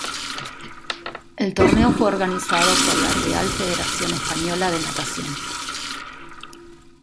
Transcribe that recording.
El torneo fue organizado por la Real Federación Española de Natación.